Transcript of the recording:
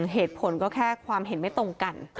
เหตุผลก็แค่ความเห็นไม่ตรงกัน